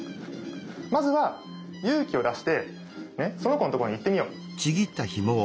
まずは勇気を出してねその子のところに行ってみよう。